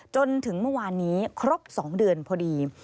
จนถึงเมื่อวานนี้ครบ๒เดือนพอดี